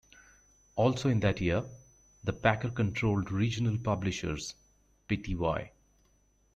Also in that year, the Packer-controlled Regional Publishers Pty.